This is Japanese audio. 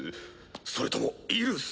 それともイルス？